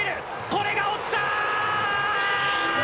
これが落ちたー！！